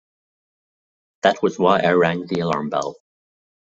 That was why I rang the alarm bell.